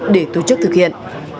để tổ chức thực hiện